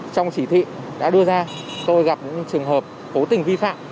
trong chỉ thị đã đưa ra tôi gặp những trường hợp cố tình vi phạm